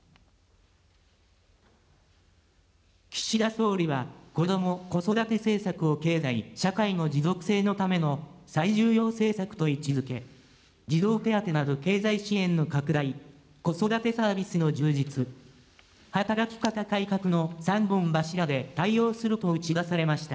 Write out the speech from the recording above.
岸田総理は、こども・子育て政策を経済・社会の持続性のための最重要政策と位置づけ、児童手当など経済支援の拡大、子育てサービスの充実、働き方改革の３本柱で対応すると打ち出されました。